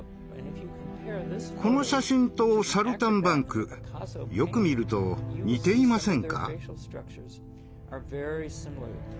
この写真と「サルタンバンク」よく見ると似ていませんか？